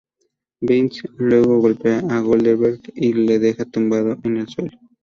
Vince luego golpea a Goldberg y lo deja tumbado en el suelo.